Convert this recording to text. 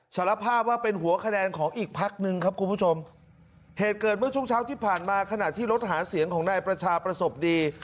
สารภาพว่าเป็นหัวคะแนนของอีกพักหนึ่งครับคุณผู้ชมเหตุเกิดเมื่อช่วงเช้าที่ผ่านมาขณะที่รถหาเสียงของนายประชาประสบดี